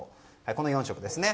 この４色ですね。